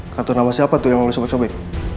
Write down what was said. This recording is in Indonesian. katanya sama siapa tuh yang mau disobot sobet